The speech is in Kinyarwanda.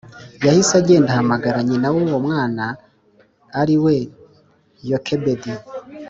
yahise agenda ahamagara nyina w uwo mwana ari we Yokebedi